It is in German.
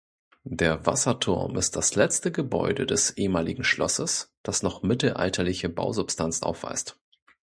Der Wasserturm ist das letzte Gebäude des ehemaligen Schlosses, das noch mittelalterliche Bausubstanz aufweist.